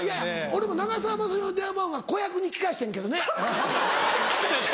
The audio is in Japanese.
俺も長澤まさみの電話番号は子役に聞かせてんけどね。